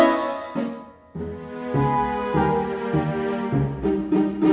terima kasih mbak